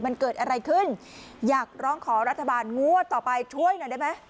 มันเกิดอะไรขึ้นอยากร้องขอรัฐบาลงวดต่อไปช่วยหน่อยได้ไหม